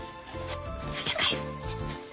そいじゃ帰る。ね！